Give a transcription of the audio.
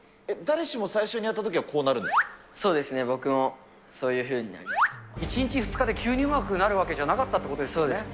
誰しも最初にやったときはこそうですね、僕もそういうふ１日２日で急にうまくなるわけじゃなかったっていうことですね。